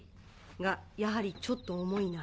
がやはりちょっと重いな。